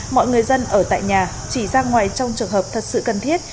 mọi người dân ở tại nhà chỉ ra ngoài trong trường hợp thật sự cần thiết